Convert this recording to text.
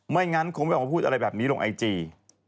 งั้นคงไม่ออกมาพูดอะไรแบบนี้ลงไอจี